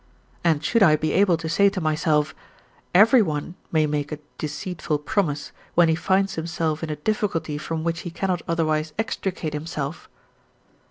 and should I be able to say to myself, "Every one may make a deceitful promise when he finds himself in a difficulty from which he cannot otherwise extricate himself?"